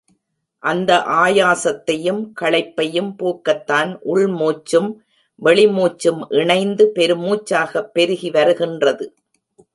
அந்த ஆயாசத்தையும் களைப்பையும் போக்கத்தான் உள் மூச்சும் வெளிமூச்சும் இணைந்து பெருமூச்சாகப் பெருகி வருகின்றது.